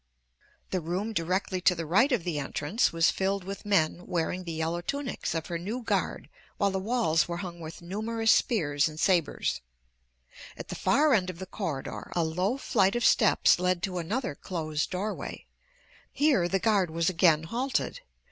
The room directly to the right of the entrance was filled with men wearing the yellow tunics of her new guard while the walls were hung with numerous spears and sabers. At the far end of the corridor a low flight of steps led to another closed doorway. Here the guard was again halted.